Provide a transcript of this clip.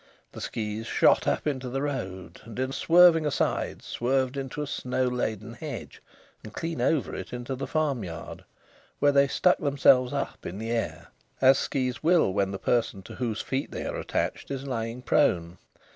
The skis shot up into the road, and in swerving aside swerved into a snow laden hedge, and clean over it into the farmyard, where they stuck themselves up in the air, as skis will when the person to whose feet they are attached is lying prone.